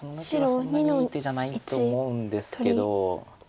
そんなにいい手じゃないと思うんですけど。